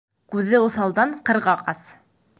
Күҙе уҫалдан ҡырға ҡас.